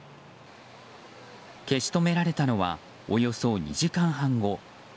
消し止められたのはおよそ２時間半後。